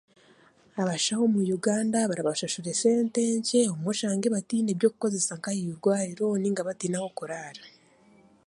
Abashaho omu Uganda barabashashura esente nkye obumwe oshange bataine by'okukozesa nka ah'eigwariro nainga bataine ah'okuraara.